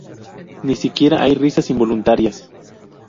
Ni siquiera hay risas involuntarias.